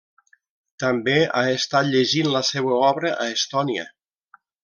També ha estat llegint la seua obra a Estònia.